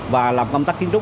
và làm công tác kiến trúc